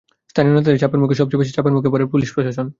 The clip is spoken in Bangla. স্থানীয় নেতাদের কাছ থেকে সবচেয়ে বেশি চাপের মুখে পড়ে পুলিশ প্রশাসন।